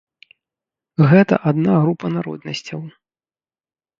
Гэта адна група народнасцяў.